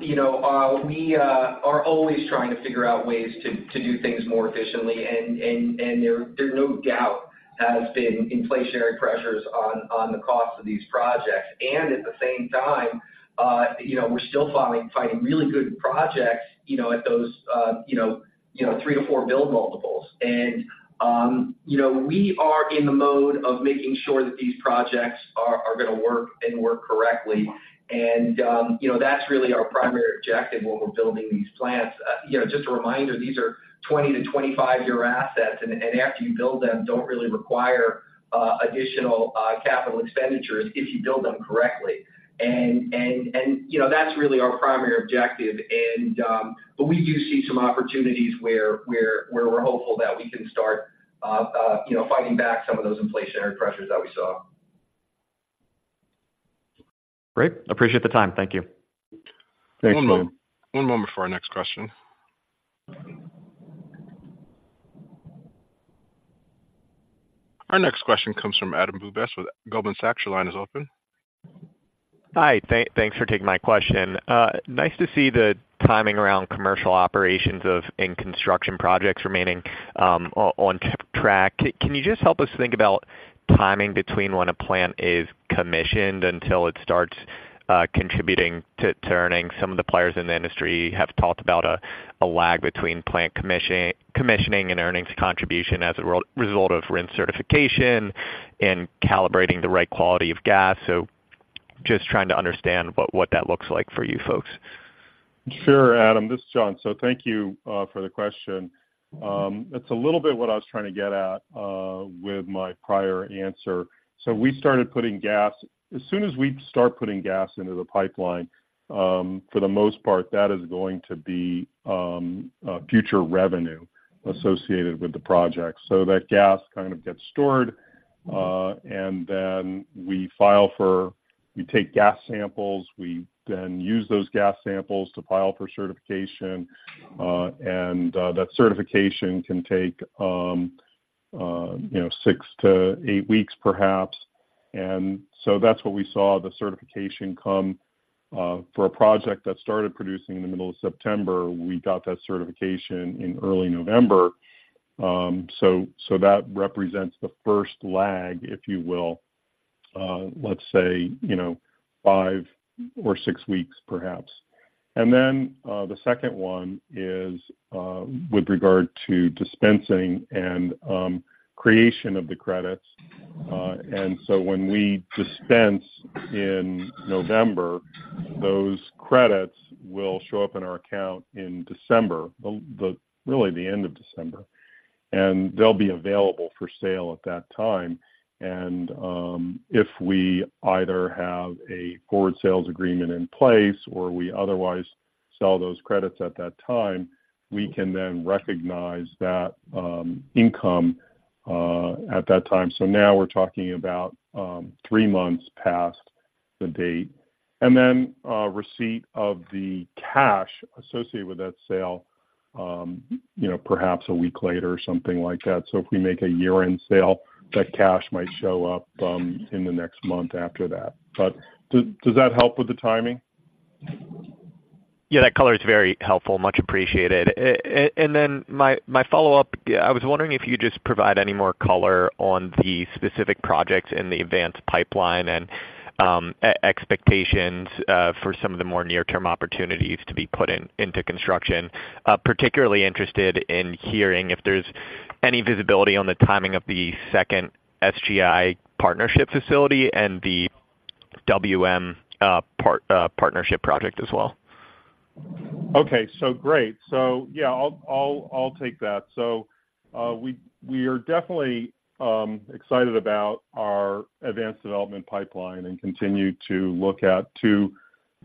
you know, we are always trying to figure out ways to do things more efficiently. And there no doubt has been inflationary pressures on the cost of these projects. And at the same time, you know, we're still finding really good projects, you know, at those 3-4 build multiples. And, you know, we are in the mode of making sure that these projects are gonna work and work correctly. And, you know, that's really our primary objective when we're building these plants. You know, just a reminder, these are 20-25-year assets, and after you build them, don't really require additional capital expenditures if you build them correctly. And, you know, that's really our primary objective. But we do see some opportunities where we're hopeful that we can start, you know, fighting back some of those inflationary pressures that we saw. Great. Appreciate the time. Thank you. Thanks, William. One moment. One moment before our next question. Our next question comes from Adam Bubes with Goldman Sachs. Your line is open. Hi, thanks for taking my question. Nice to see the timing around commercial operations of in-construction projects remaining on track. Can you just help us think about timing between when a plant is commissioned until it starts contributing to earnings? Some of the players in the industry have talked about a lag between plant commissioning and earnings contribution as a result of RIN certification and calibrating the right quality of gas. Just trying to understand what that looks like for you folks. Sure, Adam, this is John. So thank you for the question. It's a little bit what I was trying to get at with my prior answer. So we started putting gas, as soon as we start putting gas into the pipeline, for the most part, that is going to be future revenue associated with the project. So that gas kind of gets stored, and then we file for, we take gas samples, we then use those gas samples to file for certification, and that certification can take, you know, six to eight weeks, perhaps. And so that's what we saw, the certification come for a project that started producing in the middle of September, we got that certification in early November. So, so that represents the first lag, if you will, let's say, you know, five or six weeks, perhaps. And then, the second one is, with regard to dispensing and, creation of the credits. And so when we dispense in November, those credits will show up in our account in December, really, the end of December. And they'll be available for sale at that time. And, if we either have a forward sales agreement in place or we otherwise sell those credits at that time, we can then recognize that, income, at that time. So now we're talking about, three months past the date. And then, receipt of the cash associated with that sale, you know, perhaps a week later, or something like that. So if we make a year-end sale, that cash might show up in the next month after that. But does that help with the timing? Yeah, that color is very helpful, much appreciated. And then my follow-up, I was wondering if you could just provide any more color on the specific projects in the advanced pipeline and expectations for some of the more near-term opportunities to be put into construction. Particularly interested in hearing if there's any visibility on the timing of the second SJI partnership facility and the WM partnership project as well. Okay, so great. So, yeah, I'll take that. So, we are definitely excited about our advanced development pipeline and continue to look at 2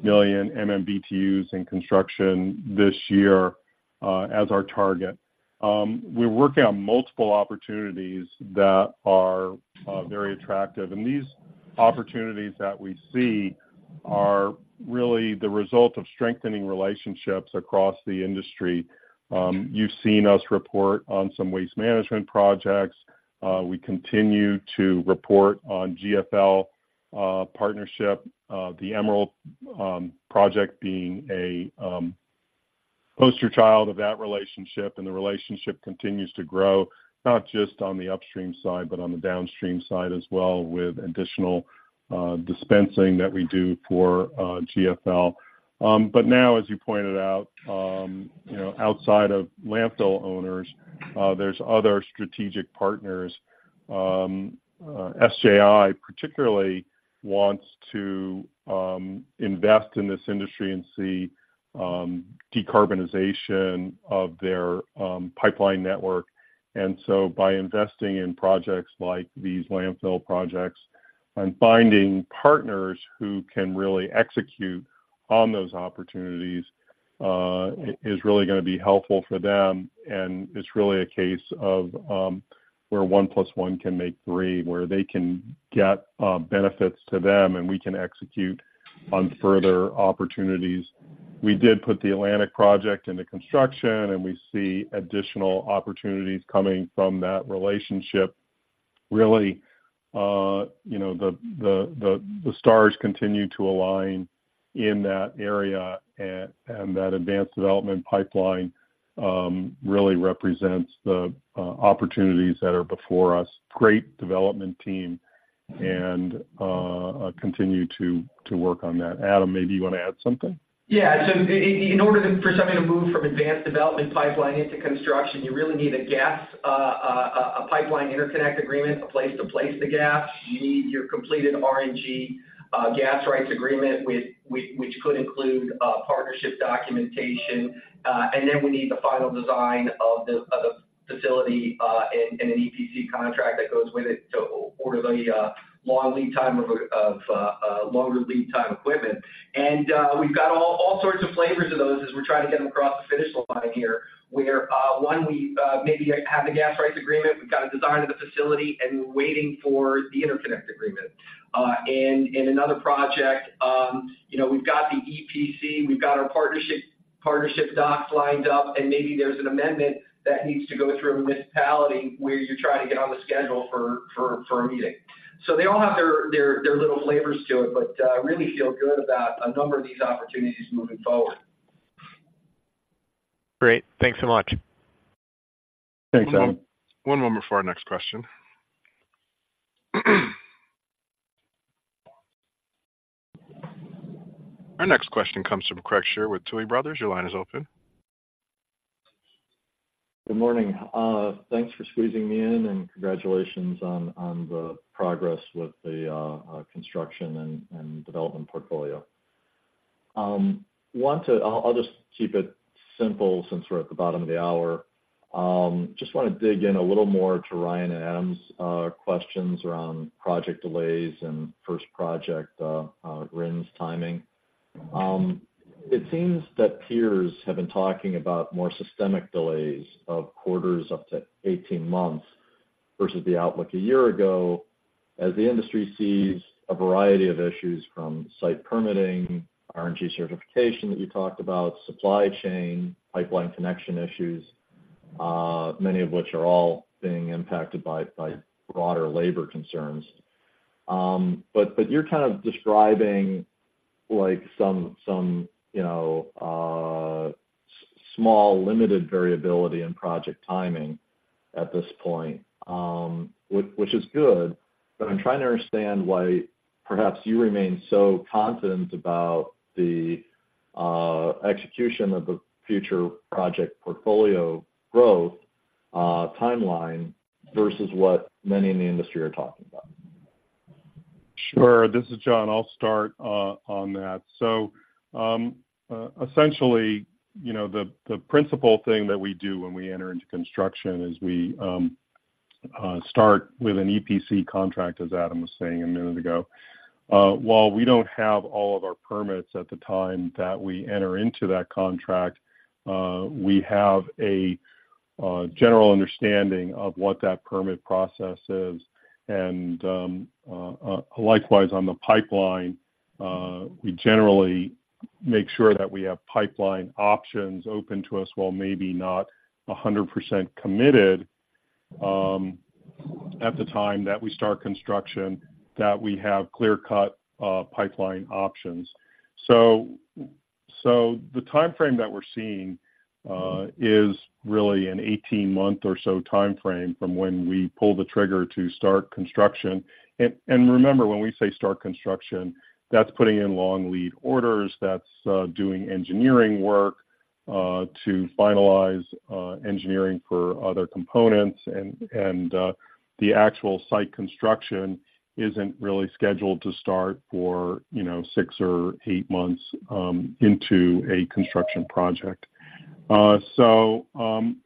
million MMBtu in construction this year as our target. We're working on multiple opportunities that are very attractive, and these opportunities that we see are really the result of strengthening relationships across the industry. You've seen us report on some waste management projects. We continue to report on GFL partnership, the Emerald Project being a poster child of that relationship, and the relationship continues to grow, not just on the upstream side, but on the downstream side as well, with additional dispensing that we do for GFL. But now, as you pointed out, you know, outside of landfill owners, there's other strategic partners. SJI particularly wants to invest in this industry and see decarbonization of their pipeline network. And so by investing in projects like these landfill projects and finding partners who can really execute on those opportunities, is really gonna be helpful for them, and it's really a case of where one plus one can make three, where they can get benefits to them, and we can execute on further opportunities. We did put the Atlantic project into construction, and we see additional opportunities coming from that relationship. Really, you know, the stars continue to align in that area, and that advanced development pipeline really represents the opportunities that are before us. Great development team, and continue to work on that. Adam, maybe you want to add something? Yeah. So in order for something to move from advanced development pipeline into construction, you really need a gas, a pipeline interconnect agreement, a place to place the gas. You need your completed RNG gas rights agreement, with which could include partnership documentation. And then we need the final design of the facility, and an EPC contract that goes with it to order the long lead time longer lead time equipment. And we've got all sorts of flavors of those as we're trying to get them across the finish line here, where one we maybe have the gas rights agreement, we've got a design of the facility, and we're waiting for the interconnect agreement. And in another project, you know, we've got the EPC, we've got our partnership docs lined up, and maybe there's an amendment that needs to go through a municipality where you're trying to get on the schedule for a meeting. So they all have their little flavors to it, but really feel good about a number of these opportunities moving forward. Great. Thanks so much. Thanks, Adam. One moment for our next question. Our next question comes from Craig Shere with Tuohy Brothers. Your line is open.... Good morning. Thanks for squeezing me in, and congratulations on the progress with the construction and development portfolio. I'll just keep it simple since we're at the bottom of the hour. Just want to dig in a little more to Ryan and Adam's questions around project delays and first project RINs timing. It seems that peers have been talking about more systemic delays of quarters up to 18 months versus the outlook a year ago, as the industry sees a variety of issues from site permitting, RNG certification that you talked about, supply chain, pipeline connection issues, many of which are all being impacted by broader labor concerns. But, but you're kind of describing like some, you know, small, limited variability in project timing at this point, which is good. But I'm trying to understand why perhaps you remain so confident about the execution of the future project portfolio growth timeline versus what many in the industry are talking about? Sure. This is John. I'll start on that. So, essentially, you know, the principal thing that we do when we enter into construction is we start with an EPC contract, as Adam was saying a minute ago. While we don't have all of our permits at the time that we enter into that contract, we have a general understanding of what that permit process is. And, likewise, on the pipeline, we generally make sure that we have pipeline options open to us, while maybe not 100% committed at the time that we start construction, that we have clear-cut pipeline options. So, the timeframe that we're seeing is really an 18-month or so timeframe from when we pull the trigger to start construction. And remember, when we say start construction, that's putting in long lead orders, that's doing engineering work to finalize engineering for other components. And the actual site construction isn't really scheduled to start for, you know, six or eight months into a construction project. So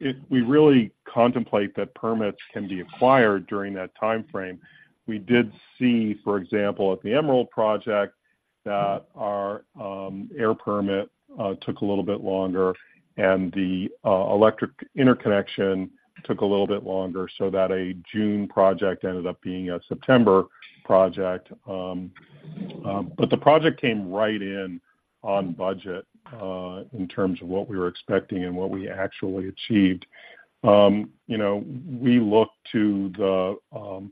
if we really contemplate that permits can be acquired during that timeframe, we did see, for example, at the Emerald project, that our air permit took a little bit longer, and the electric interconnection took a little bit longer, so that a June project ended up being a September project. But the project came right in on budget in terms of what we were expecting and what we actually achieved. You know, we look to the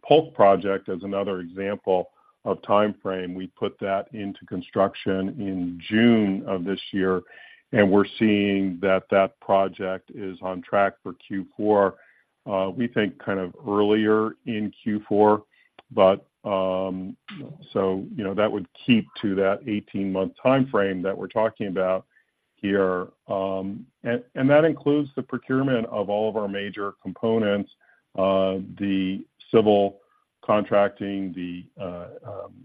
Polk project as another example of timeframe. We put that into construction in June of this year, and we're seeing that that project is on track for Q4, we think kind of earlier in Q4. But, so, you know, that would keep to that 18-month timeframe that we're talking about here. And that includes the procurement of all of our major components, the civil contracting, the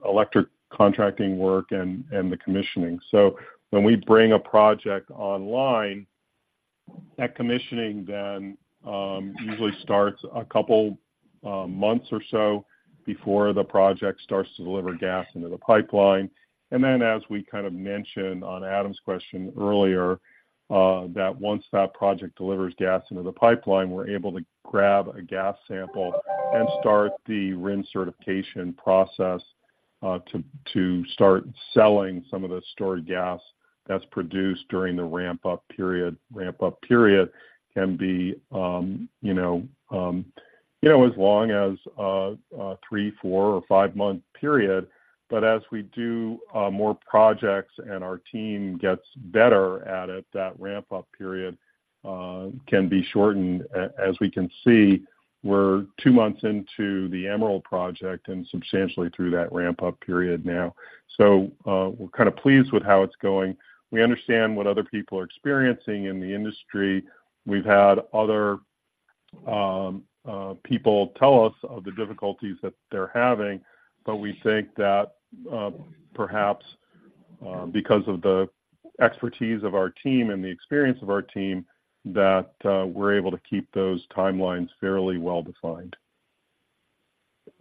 electric contracting work, and the commissioning. So when we bring a project online, that commissioning then usually starts a couple months or so before the project starts to deliver gas into the pipeline. Then, as we kind of mentioned on Adam's question earlier, that once that project delivers gas into the pipeline, we're able to grab a gas sample and start the RIN certification process, to start selling some of the stored gas that's produced during the ramp-up period. Ramp-up period can be, you know, you know, as long as a 3, 4, or 5-month period. But as we do more projects and our team gets better at it, that ramp-up period can be shortened. As we can see, we're 2 months into the Emerald project and substantially through that ramp-up period now. So, we're kind of pleased with how it's going. We understand what other people are experiencing in the industry. We've had other people tell us of the difficulties that they're having, but we think that perhaps because of the expertise of our team and the experience of our team, that we're able to keep those timelines fairly well-defined.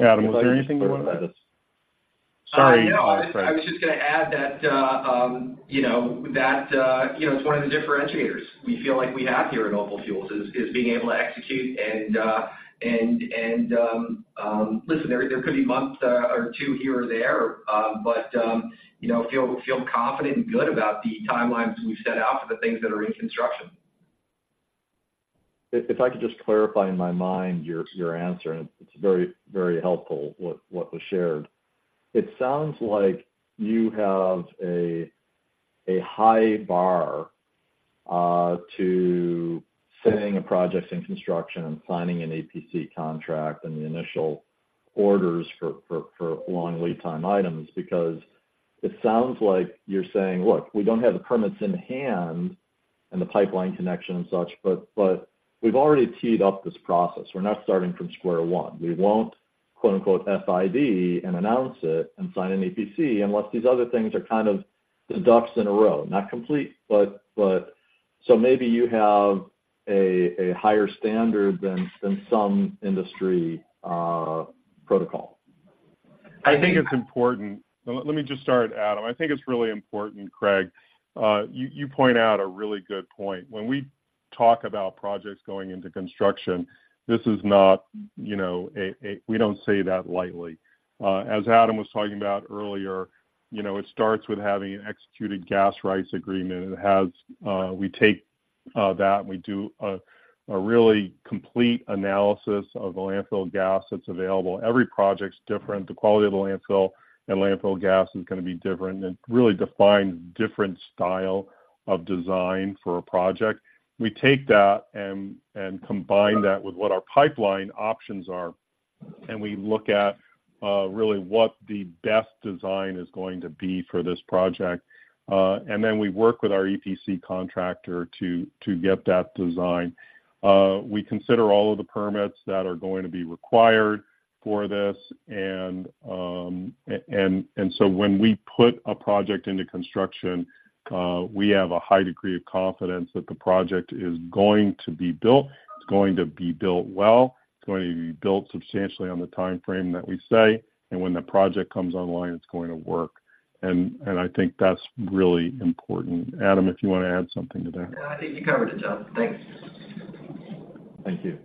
Adam, was there anything you wanted to add? Sorry. Sorry. No, I was just gonna add that, you know, that, you know, it's one of the differentiators we feel like we have here at OPAL Fuels, is being able to execute. And, listen, there could be a month or two here or there, but, you know, feel confident and good about the timelines we've set out for the things that are in construction. If I could just clarify in my mind your answer, and it's very, very helpful, what was shared. It sounds like you have a high bar to setting a project in construction and signing an EPC contract and the initial orders for long lead time items, because. It sounds like you're saying, "Look, we don't have the permits in hand and the pipeline connection and such, but we've already teed up this process. We're not starting from square one. We won't quote-unquote, FID and announce it and sign an EPC, unless these other things are kind of the ducks in a row. Not complete, but so maybe you have a higher standard than some industry protocol. I think it's important. Let me just start, Adam. I think it's really important, Craig. You point out a really good point. When we talk about projects going into construction, this is not, you know, a-- we don't say that lightly. As Adam was talking about earlier, you know, it starts with having an executed gas rights agreement. We take that, and we do a really complete analysis of the landfill gas that's available. Every project's different. The quality of the landfill and landfill gas is gonna be different and really define different style of design for a project. We take that and combine that with what our pipeline options are, and we look at really what the best design is going to be for this project. And then we work with our EPC contractor to get that design. We consider all of the permits that are going to be required for this. And so when we put a project into construction, we have a high degree of confidence that the project is going to be built, it's going to be built well, it's going to be built substantially on the timeframe that we say, and when the project comes online, it's going to work. And I think that's really important. Adam, if you want to add something to that? I think you covered it, John. Thanks. Thank you.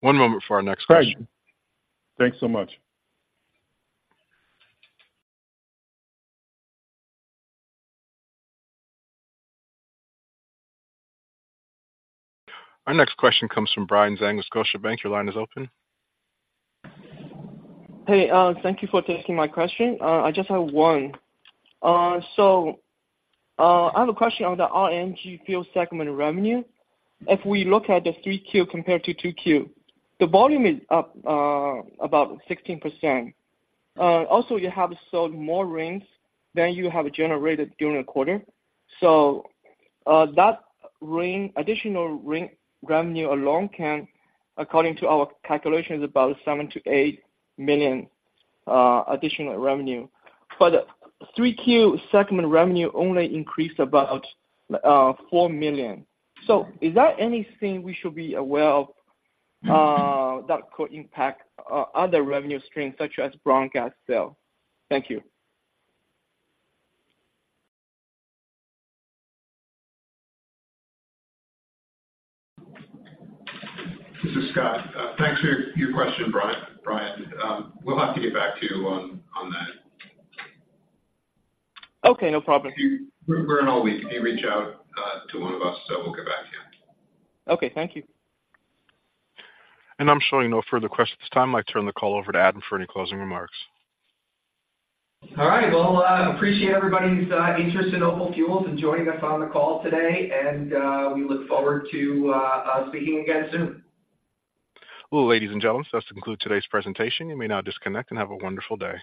One moment for our next question. Craig. Thanks so much. Our next question comes from Betty Zhang of Scotiabank. Your line is open. Hey, thank you for taking my question. I just have one. So, I have a question on the RNG fuel segment revenue. If we look at the 3Q compared to 2Q, the volume is up about 16%. Also, you have sold more RINs than you have generated during the quarter. So, that RIN additional RIN revenue alone can, according to our calculations, about $7 million-$8 million additional revenue. But 3Q segment revenue only increased about $4 million. So is there anything we should be aware of that could impact other revenue streams such as brown gas sale? Thank you. This is Scott. Thanks for your question, Brian. We'll have to get back to you on that. Okay, no problem. We're in all week. You can reach out to one of us, so we'll get back to you. Okay. Thank you. I'm showing no further questions at this time. I turn the call over to Adam for any closing remarks. All right. Well, I appreciate everybody's interest in OPAL Fuels and joining us on the call today, and we look forward to speaking again soon. Well, ladies and gentlemen, this concludes today's presentation. You may now disconnect and have a wonderful day.